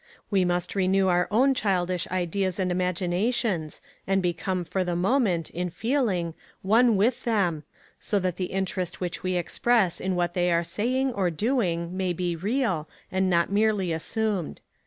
We must renew our own childish ideas and imaginations, and become for the moment, in feeling, one with them, so that the interest which we express in what they are saying or doing may be real, and not merely assumed.